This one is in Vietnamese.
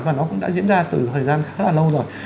và nó cũng đã diễn ra từ thời gian khá là lâu rồi